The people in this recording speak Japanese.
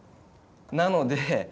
なので。